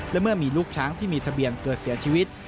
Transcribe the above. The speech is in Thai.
และเมื่อมีลูกช้างที่มีทะเบียนเกิดเสียชีวิต